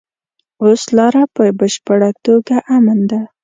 اوس لاره په بشپړه توګه امن ده.